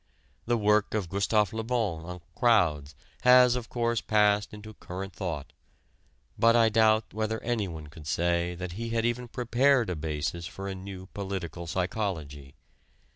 The work of Gustav Le Bon on "crowds" has, of course, passed into current thought, but I doubt whether anyone could say that he had even prepared a basis for a new political psychology.